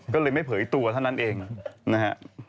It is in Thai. ก็เลยไม่เผยตัวเท่านั้นเองนะฮะ